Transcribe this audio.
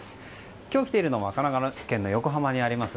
今日来ているのは神奈川県の横浜にあります